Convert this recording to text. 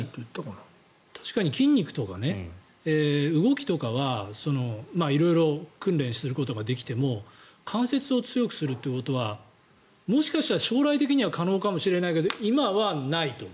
確かに筋肉とか動きとかは色々、訓練することができても関節を強くするってことはもしかしたら将来的には可能かもしれないけれど今はないと。